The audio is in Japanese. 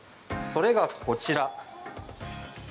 それが、こちら。